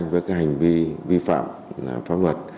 vì phạm pháp luật